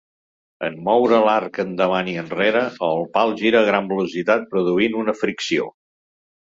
En moure l'arc endavant i enrere, el pal gira a gran velocitat produint una fricció.